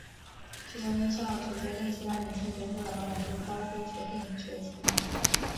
最终依照主角对其他女性角色的好感度高低决定结局。